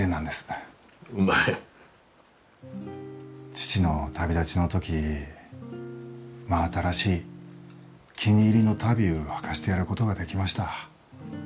父の旅立ちの時真新しい気に入りの足袋うはかせてやることができました。